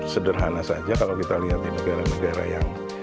sederhana saja kalau kita lihat di negara negara yang